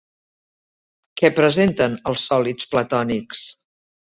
Què presenten els sòlids platònics?